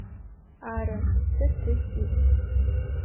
Ары, сэ ты сиӏ.